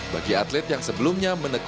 bagi atlet yang sebelumnya menegur